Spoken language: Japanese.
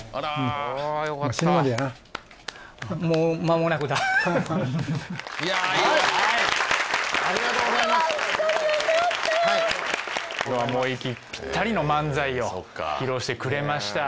もう息ぴったりの漫才を披露してくれました